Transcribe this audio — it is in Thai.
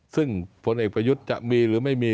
ซึ่งผลเอกประยุทธ์จะมีหรือไม่มี